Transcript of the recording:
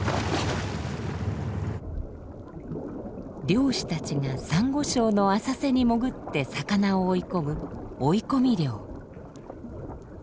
漁師たちがサンゴ礁の浅瀬に潜って魚を追い込む追い込み漁。